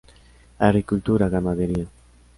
Agricultura, ganadería.